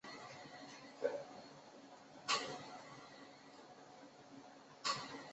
伯克在旗舰奥斯本上统帅全队。